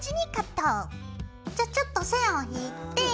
じゃあちょっと線を引いて。